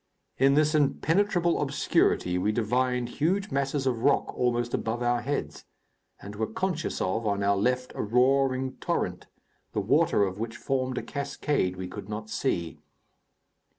In this impenetrable obscurity we divined huge masses of rock almost above our heads, and were conscious of, on our left, a roaring torrent, the water of which formed a cascade we could not see.